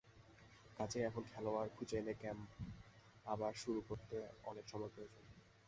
কাজেই এখন খেলোয়াড় খুঁজে এনে ক্যাম্প আবার শুরু করতে অনেক সময় প্রয়োজন।